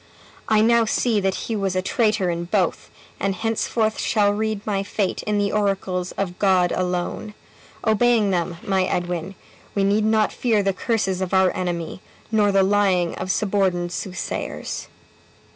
I now see that he was a traitor in both, and henceforth shall read my fate in the oracles of God alone. Obeying them, my Edwin, we need not fear the curses of our enemy, nor the lying of suborned soothsayers."